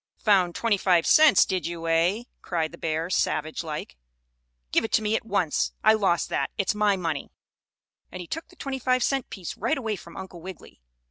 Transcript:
"Found twenty five cents, did you, eh?" cried the bear, savage like. "Give it to me at once! I lost that, it's my money!" And he took the twenty five cent piece right away from Uncle Wiggily.